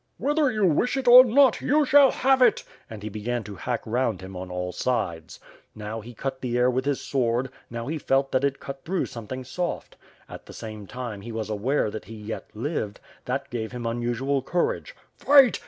"Whether you wish it or not, you shall have it/' and he began to hack round him on all sides. Xow, he cut the air with his sword, now he felt that it cut through something soft. At the same time he was aware that he yet lived; that gave him unusual courage. "Fight!